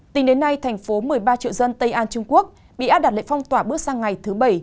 tính đến nay thành phố một mươi ba triệu dân tây an trung quốc bị áp đặt lệnh phong tỏa bước sang ngày thứ bảy